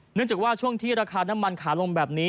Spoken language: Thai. เนื่องจากว่าช่วงที่ราคาน้ำมันขาลงแบบนี้